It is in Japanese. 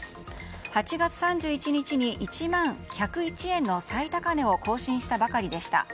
８月３１日に１万１０１円の最高値を更新したばかりでした。